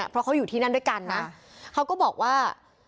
เพราะเขาอยู่ที่นั่นด้วยกันนะเขาก็บอกว่า